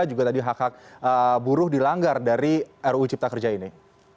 juga tadi hak hak buruh dilanggar dari ruu cipta kerja ini